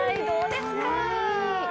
どうですか。